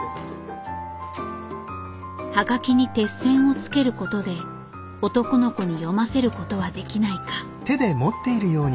はがきに鉄線をつけることで男の子に読ませることはできないか。